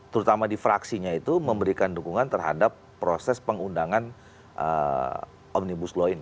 terutama di fraksinya itu memberikan dukungan terhadap proses pengundangan omnibus law ini